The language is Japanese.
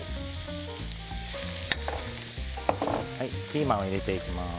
ピーマンを入れていきます。